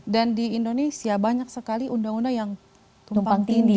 dan di indonesia banyak sekali undang undang yang tumpang tinggi